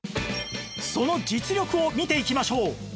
その実力を見ていきましょう